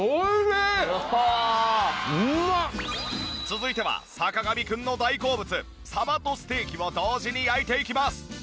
続いては坂上くんの大好物サバとステーキを同時に焼いていきます。